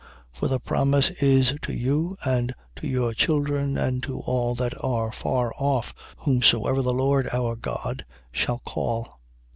2:39. For the promise is to you and to your children and to all that are far off, whomsoever the Lord our God shall call.